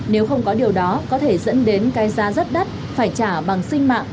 nếu không có điều đó có thể dẫn đến cái giá rất đắt phải trả bằng sinh mạng